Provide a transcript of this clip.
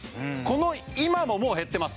この今ももう減ってます